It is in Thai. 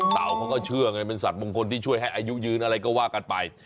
เต่าเขาก็เชื่อไงเป็นสัตวมงคลที่ช่วยให้อายุยืนอะไรก็ว่ากันไป